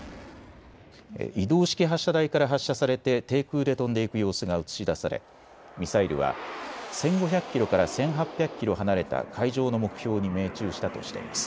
移動式発射台から発射されて低空で飛んでいく様子が映し出されミサイルは１５００キロから１８００キロ離れた海上の目標に命中したとしています。